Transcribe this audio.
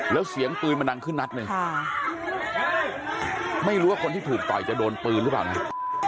แล้วเสียงปืนมันดังขึ้นนัดหนึ่งไม่รู้ว่าคนที่ถูกต่อยจะโดนปืนหรือเปล่านะ